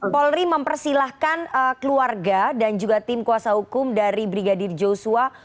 polri mempersilahkan keluarga dan juga tim kuasa hukum dari brigadir joshua